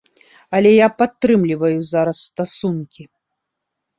Але я падтрымліваю зараз стасункі.